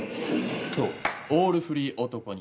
そうオールフリー男に！